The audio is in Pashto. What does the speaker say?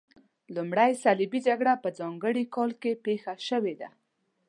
لومړۍ صلیبي جګړه په ځانګړي کال کې پیښه شوې ده.